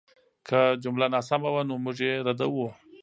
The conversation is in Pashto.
که جمله ناسمه وه، نو موږ یې ردوو.